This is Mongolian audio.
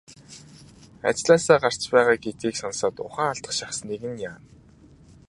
Чамайг ажлаасаа гарч байгаа гэдгийг сонсоод ухаан алдах шахсаныг яана.